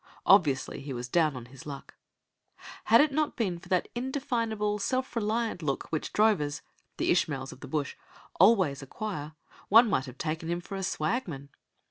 Obviously, he was down on his luck. Had it not been for that indefinable self reliant look which drovers the Ishmaels of the bush always acquire, one might have taken him for a swagman.